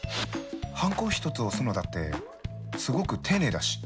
ハンコ一つ押すのだってすごく丁寧だし。